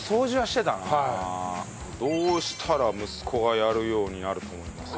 どうしたら息子がやるようになると思いますか？